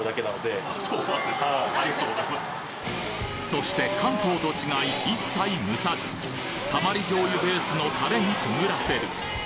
そして関東と違い、一切蒸さず、たまりじょうゆベースのたれにくぐらせる。